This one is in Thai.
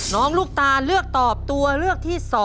ลูกตาเลือกตอบตัวเลือกที่๒